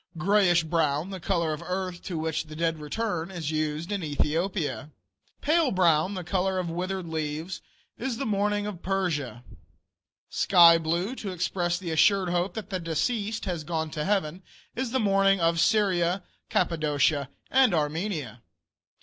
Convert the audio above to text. Grayish brown, the color of the earth to which the dead return, is used in Ethiopia. Pale brown, the color of withered leaves, is the mourning of Persia. Sky blue, to express the assured hope that the deceased has gone to heaven, is the mourning of Syria, Cappadocia, and Armenia.